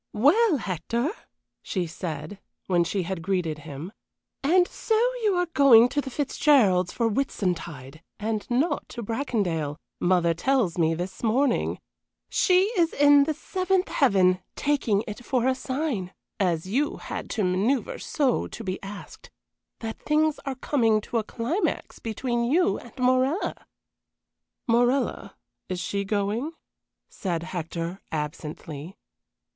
"Well, Hector," she said, when she had greeted him, "and so you are going to the Fitzgeralds' for Whitsuntide, and not to Bracondale, mother tells me this morning. She is in the seventh heaven, taking it for a sign, as you had to manoeuvre so to be asked, that things are coming to a climax between you and Morella." "Morella? Is she going?" said Hector, absently.